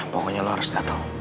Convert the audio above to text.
pokoknya lo harus dateng